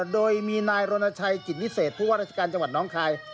โดยมีนายรณชัยกิจวิเศษผู้ว่าราชการจังหวัดน้องคาย